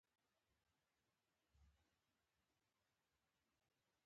• دښمني د ذهن بندي کوي.